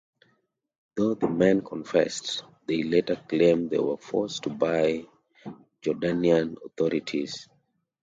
Though the men confessed, they later claimed they were forced to by Jordanian authorities.